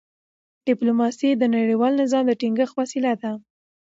ډيپلوماسي د نړیوال نظم د ټینګښت وسیله ده.